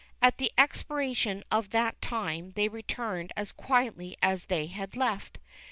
At the expiration of that time they returned as quietly as they had left.